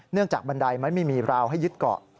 จากบันไดมันไม่มีราวให้ยึดเกาะ